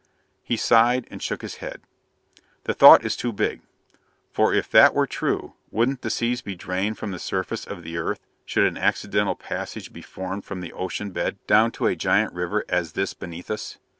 He sighed and shook his head. "The thought is too big! For, if that were true, wouldn't the seas be drained from the surface of the earth should an accidental passage be formed from the ocean bed down to such a giant river as this beneath us?